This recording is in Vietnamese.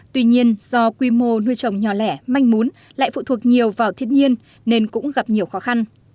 tuy nhiên do quy mô nuôi trồng nhỏ lẻ manh mún lại phụ thuộc nhiều vào thiên nhiên nên cũng gặp nhiều khó khăn